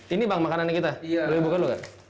ini bang makanan kita boleh buka dulu kak